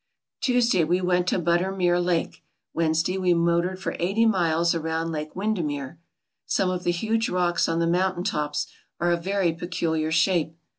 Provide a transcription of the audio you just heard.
I9>] b, Google Tuesday we went to Bunermere Lake; Wednesday we motored for eighty miles around Lake Windermere. Some of the huge rocks on the mountain tops are of very peculiar shape.